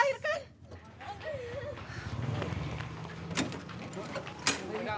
taruh aku ngoja roblings arai